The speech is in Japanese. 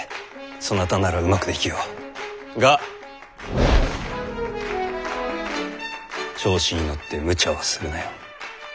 そなたならうまくできよう。が調子に乗ってムチャはするなよ。